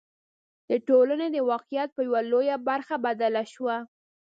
د ټولنې د واقعیت په یوه لویه برخه بدله شوه.